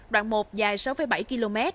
đoạn một dài sáu bảy km